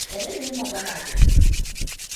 Bari mu yi magana da shi.